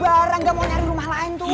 ayo bar aku gak mau nyari rumah lain tuh